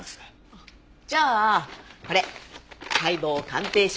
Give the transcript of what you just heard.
じゃあこれ解剖鑑定書。